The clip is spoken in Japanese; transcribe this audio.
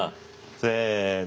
せの。